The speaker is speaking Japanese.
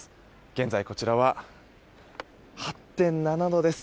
現在こちらは８．７度です。